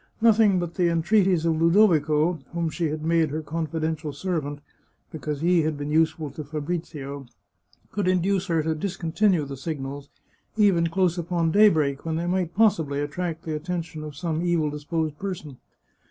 Nothing but the entreaties of Ludovico, whom she had made her confidential servant, be cause he had been useful to Fabrizio, could induce her to discontinue the signals, even close upon daybreak, when they might possibly attract the attention of some evil dis posed person.